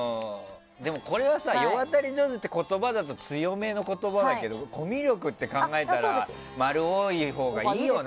これは世渡り上手だという言葉だと強めの言葉だけどコミュ力って考えたら○多いほうがいいよな。